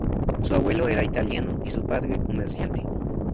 Su abuelo era italiano y su padre comerciante.